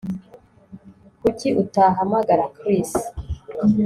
Kuki utahamagara Chris